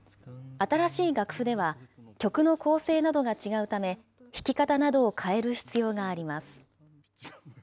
新しい楽譜では曲の構成などが違うため、弾き方などを変える必要があります。